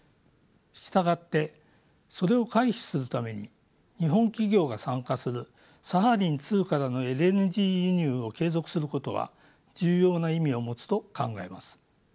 従ってそれを回避するために日本企業が参加するサハリン２からのＬＮＧ輸入を継続することは重要な意味を持つと考えます。